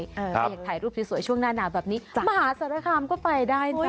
ใครอยากถ่ายรูปสวยช่วงหน้าหนาวแบบนี้มหาสารคามก็ไปได้นะ